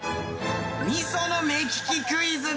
味噌の目利きクイズだ！